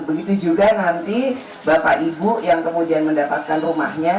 begitu juga nanti bapak ibu yang kemudian mendapatkan rumahnya